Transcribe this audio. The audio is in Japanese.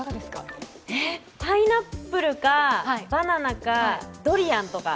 パイナップルか、バナナか、ドリアンとか。